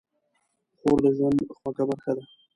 خور د ژوند خوږه برخه ده.